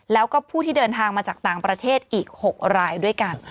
แล้วก็ผู้ที่เดินทางมาจากต่างประเทศอีก๖รายด้วยกัน